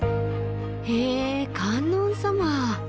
へえ観音様。